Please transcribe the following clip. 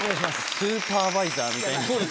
スーパーバイザーみたいな。